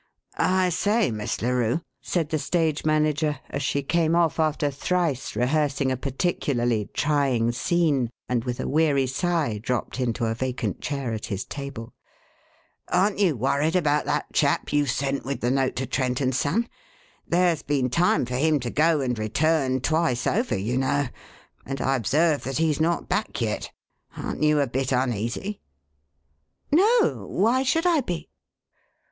"I say, Miss Larue," said the stage manager as she came off after thrice rehearsing a particularly trying scene, and, with a weary sigh, dropped into a vacant chair at his table, "aren't you worried about that chap you sent with the note to Trent & Son? There's been time for him to go and return twice over, you know; and I observe that he's not back yet. Aren't you a bit uneasy?" "No. Why should I be?"